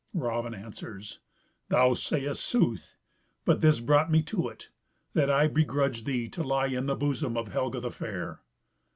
Raven answers, "Thou sayest sooth, but this brought me to it, that I begrudged thee to lie in the bosom of Helga the Fair."